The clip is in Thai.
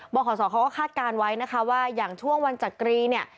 ขอสอเขาก็คาดการณ์ไว้นะคะว่าอย่างช่วงวันจักรีเนี่ย